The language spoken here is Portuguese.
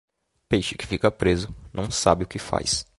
Peixe que fica preso, não sabe o que faz.